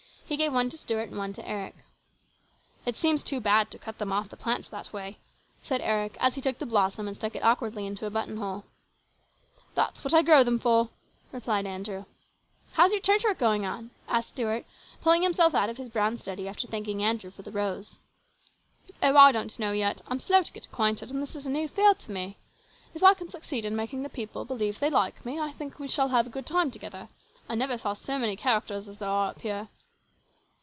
He gave one to Stuart and one to Eric. " It seems too bad to cut them off the plants that way," said Eric as he took the blossom and stuck it awkwardly into a buttonhole. " That's what I grow them for," replied Andrew. " How's your church work going on ?" asked Stuart, pulling himself out of his brown study after thanking Andrew for the rose. " Oh, I don't know yet. I'm slow to get acquainted, and this is a new field to me. If I can succeed in making the people believe they like me, I think we shall have a good time together. I never saw so many characters as there are up here."